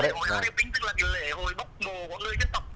lễ hội a riu pinh tức là lễ hội bốc mồ của người dân tộc